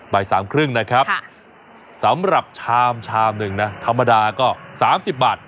บ่ายสามครึ่งนะครับสำหรับชามชามหนึ่งนะธรรมดาก็๓๐บาท